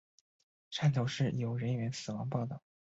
汕头市有人员死亡报导。